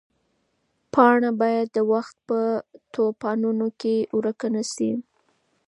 پاڼه باید د وخت په توپانونو کې ورکه نه شي.